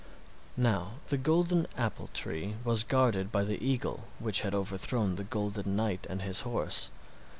Now, the golden apple tree was guarded by the eagle which had overthrown the golden knight and his horse.